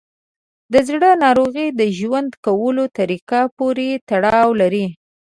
د زړه ناروغۍ د ژوند کولو طریقه پورې تړاو لري.